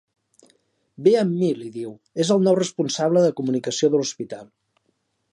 Ve amb mi —li diu—, és el nou responsable de comunicació de l'hospital.